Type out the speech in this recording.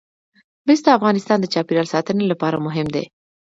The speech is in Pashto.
مس د افغانستان د چاپیریال ساتنې لپاره مهم دي.